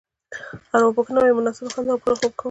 ارواپوهنه وايي مناسبه خندا او پوره خوب کول.